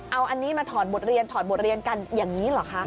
เอาอันนี้มาถอดบทเรียนถอดบทเรียนกันอย่างนี้เหรอคะ